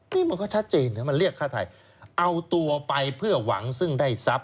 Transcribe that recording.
นี่มันก็ชัดเจนนะมันเรียกค่าไทยเอาตัวไปเพื่อหวังซึ่งได้ทรัพย